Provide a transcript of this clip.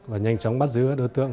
và nhanh chóng bắt giữ các đối tượng